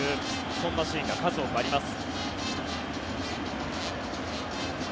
そんなシーンが数多くあります。